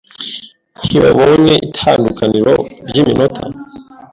Ntibabonye itandukaniro ryiminota.